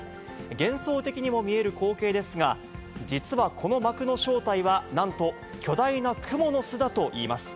幻想的にも見える光景ですが、実はこの膜の正体は、なんと巨大なクモの巣だといいます。